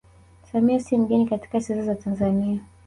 Samia si mgeni katika siasa za Tanzania